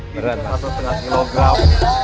hai kata penyarapmu